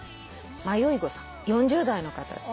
迷い子さん４０代の方。